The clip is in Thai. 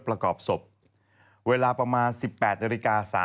ประกอบศพเวลาประมาณ๑๘นาฬิกา